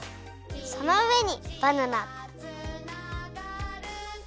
そのうえにバナナ。